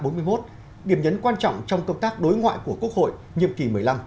điểm nhấn quan trọng trong công tác đối ngoại của quốc hội nhiệm kỳ một mươi năm